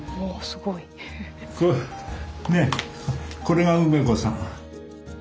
これが梅子さん。